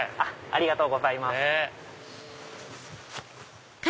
ありがとうございます。